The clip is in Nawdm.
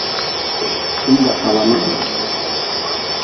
Sumga ka ba nah.